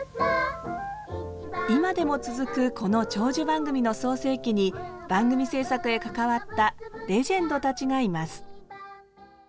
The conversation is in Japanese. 今でも続くこの長寿番組の創成期に番組制作へ関わったレジェンドたちがいます。